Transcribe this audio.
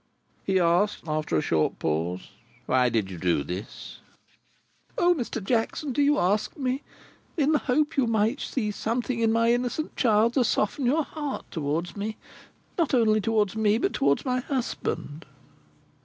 He asked, after a short pause, "Why did you do this?" "O Mr. Jackson, do you ask me? In the hope that you might see something in my innocent child to soften your heart towards me. Not only towards me, but towards my husband."